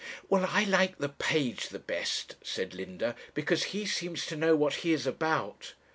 'Well, I like the page the best,' said Linda, 'because he seems to know what he is about.'